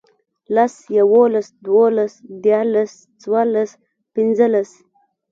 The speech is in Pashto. لس، يوولس، دوولس، ديارلس، څوارلس، پينځلس